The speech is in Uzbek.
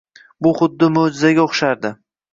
Bu xuddi mo‘’jizaga o‘xshardi.